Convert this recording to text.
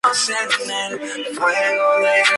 Solo va Ben para que no se reconociera a Max.